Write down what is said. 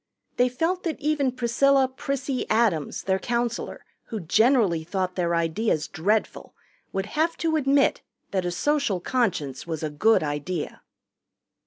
They felt that even Priscilla ("Prissy") Adams, their counselor, who generally thought their ideas dreadful, would have to admit that a Social Conscience was a good idea.